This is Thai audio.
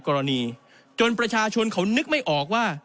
กรณีจนประชาชนเขานึกไม่ออกว่า